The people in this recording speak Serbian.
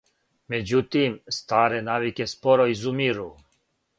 Међутим, старе навике споро изумиру.